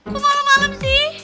kok malem malem sih